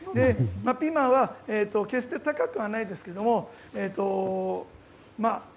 ピーマンは決して高くはないですけども。